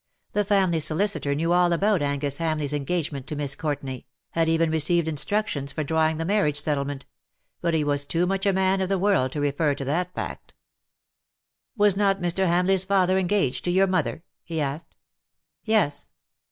The family solicitor knew all about Angus Ham leigh^s engagement to Miss Courtenay — had even received instructions for drawing the marriage settlement — but he was too much a man of the world to refer to that fact. " Was not Mr. Hamleigh's father engaged to your mother ?'' he asked. '' Yes.''